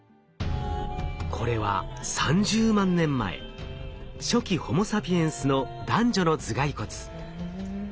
これは３０万年前初期ホモサピエンスの男女の頭蓋骨。